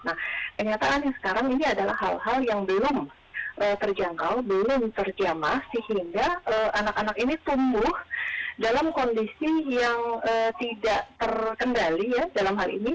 nah kenyataan yang sekarang ini adalah hal hal yang belum terjangkau belum terjamah sehingga anak anak ini tumbuh dalam kondisi yang tidak terkendali ya dalam hal ini